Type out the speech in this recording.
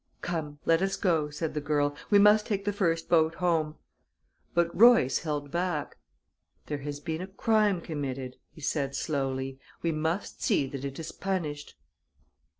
"Come, let us go," said the girl. "We must take the first boat home." But Royce held back. "There has been a crime committed," he said slowly. "We must see that it is punished."